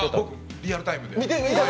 リアルタイムで。